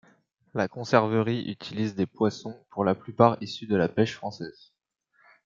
La conserverie, utilise des poissons, pour la plupart issu de la pêche française.